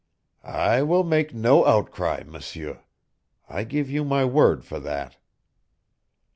"I will make no outcry, M'seur. I give you my word for that."